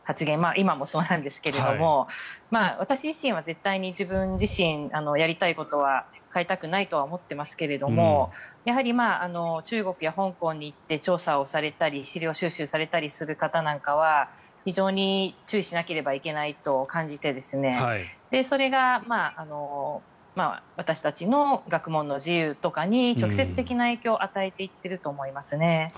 今もそうなんですけれども私自身は絶対、自分自身がやりたいことは変えたくないとは思っていますがやはり中国や香港に行って調査をされたり資料収集されたりする方なんかは非常に注意しなければいけないと感じてそれが私たちの学問の自由とかに直接的な影響を与えていっていると思いますね。